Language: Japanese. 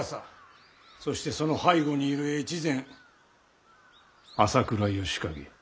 そしてその背後にいる越前朝倉義景。